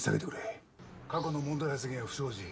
過去の問題発言や不祥事。